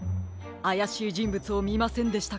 あやしいじんぶつをみませんでしたか？